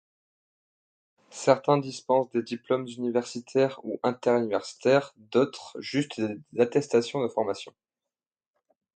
Certains dispensent des Diplômes Universitaires ou interuniversitaires, d'autres juste des attestations de formation.